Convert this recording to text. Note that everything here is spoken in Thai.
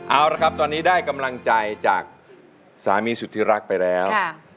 เอาละครับตอนนี้ได้กำลังใจจากสามีสุธิรักไปแล้ว